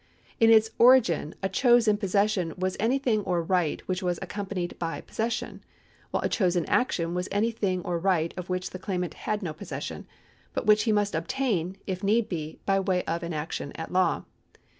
In its origin a chose in possession was any thing or right which was accom panied by possession ; while a chose in action was any thing or right of which the claimant had no possession, but which he must obtain, if need be, by way of an action at law.